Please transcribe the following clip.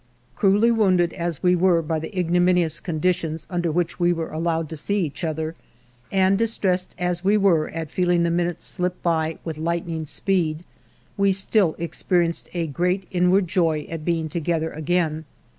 Cruelly wounded as we were by the ignomin ious conditions under which we were allowed to see each other, and distressed as we were at feel ing the minutes slip by with lightning speed, we* still experienced a great inward joy at being to gether again.